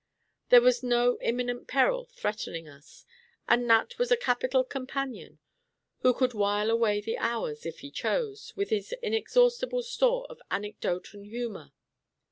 There was no imminent peril threatening us, and Nat was a capital companion, who could while away the hours, if he chose, with his inexhaustible store of anecdote and humor.